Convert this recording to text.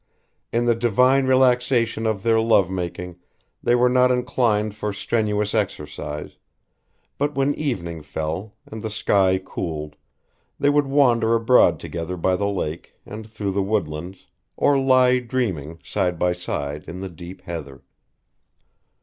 In the divine relaxation of their love making they were not inclined for strenuous exercise; but when evening fell, and the sky cooled, they would wander abroad together by the lake and through the woodlands or lie dreaming, side by side, in the deep heather.